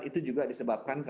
itu juga disebabkan